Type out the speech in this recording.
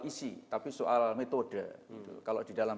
isi tapi soal metode kalau di dalam